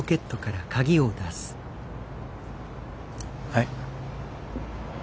はい。